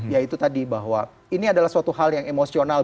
yaitu tadi bahwa ini adalah suatu hal yang emosional